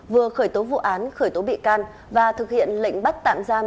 vừa khởi tố vụ án khởi tố bị can và thực hiện lệnh bắt tạm giam